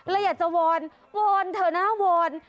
อยากจะวอนวอนเถอะนะวอน